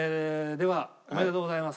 ではおめでとうございます。